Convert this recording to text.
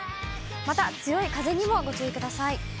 また、強い風にもご注意ください。